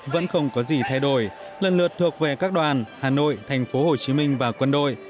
vẫn không có gì thay đổi lần lượt thuộc về các đoàn hà nội thành phố hồ chí minh và quân đội